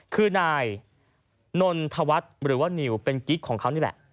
คือนายนนทวัฒน์หรือว่านิวเป็นกิ๊กของเขานี่แหละ